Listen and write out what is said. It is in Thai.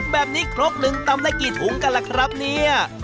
แบบนี้ครกหนึ่งตำได้กี่ถุงกันล่ะครับเนี่ย